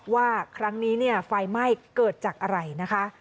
ว่าครั้งนี้ไฟไหม้เกิดจากอะไรนะคะ